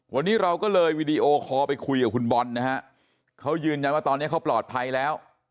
วันนี้เราก็เลยวีดีโอคอลไปคุยกับคุณบอลนะฮะเขายืนยันว่าตอนนี้เขาปลอดภัยแล้ว